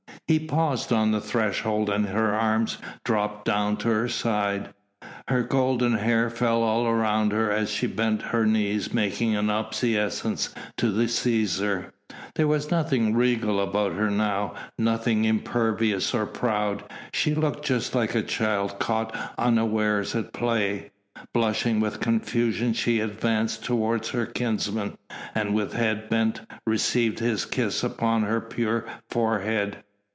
He paused on the threshold and her arms dropped down to her side. Her golden hair fell all round her as she bent her knees making obeisance to the Cæsar. There was nothing regal about her now, nothing imperious or proud; she looked just like a child caught unawares at play. Blushing with confusion she advanced toward her kinsman, and with head bent received his kiss upon her pure forehead.